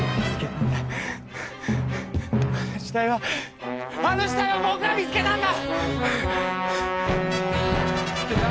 あの死体はあの死体は僕が見つけたんだ！！